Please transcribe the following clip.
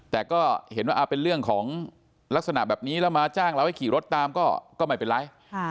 แต่ก็เห็นว่าเป็นเรื่องของลักษณะแบบนี้แล้วมาจ้างเราให้ขี่รถตามก็ไม่เป็นไร